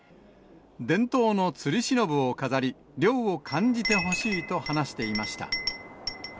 伝統のつりしのぶを飾り、涼を感じてほしいと話していました。